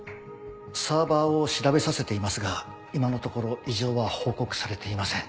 サーバーを調べさせていますが今のところ異常は報告されていません。